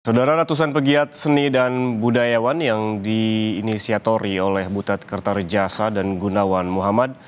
saudara ratusan pegiat seni dan budayawan yang diinisiatori oleh butet kertarejasa dan gunawan muhammad